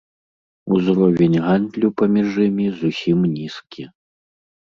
Узровень гандлю паміж імі зусім нізкі.